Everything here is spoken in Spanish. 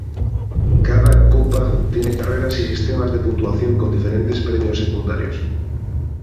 Cada Copa tiene carreras y sistemas de puntuación con diferentes premios secundarios.